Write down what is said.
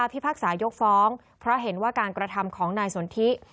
พิพากษายกฟ้องเพราะเห็นว่าการกระทำของนายสนทิ